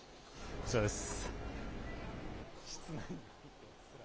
こちらです。